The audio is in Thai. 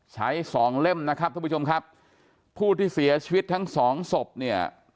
สองเล่มนะครับท่านผู้ชมครับผู้ที่เสียชีวิตทั้งสองศพเนี่ย